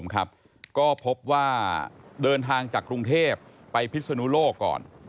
ก็พบว่าเดินทางจากกรุงเทพไปพิศนุโลกก่อน